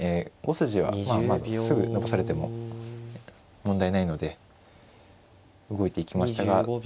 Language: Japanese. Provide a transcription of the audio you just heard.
５筋はまあすぐ残されても問題ないので動いていきましたが。